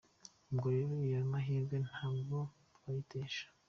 Ubwo rero ayo mahirwe ntabwo twayitesha!”.